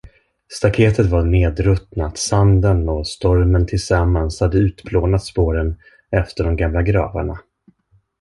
Staketet var nedruttnat, sanden och stormen tillsammans hade utplånat spåren efter de gamla gravarna.